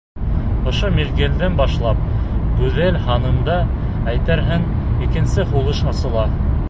Ошо миҙгелдән башлап гүзәл ханымда, әйтерһең, икенсе һулыш асыла.